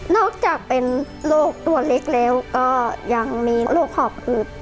นอกจากเป็นลูกตัวเล็กเร็วก็ยังมีลูกขอบคุณ